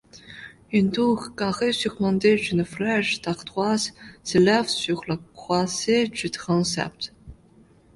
Une tour carrée surmontée d'une flèche d'ardoise s'élève sur la croisée du transept.